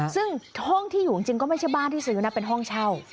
ซึ่งห้องที่อยู่จริงก็ไม่ใช่บ้านที่ซื้อนะเป็นห้องเช่า